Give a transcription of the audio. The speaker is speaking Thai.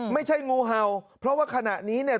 ไม่ใช่งูเห่าเพราะว่าขณะนี้เนี่ย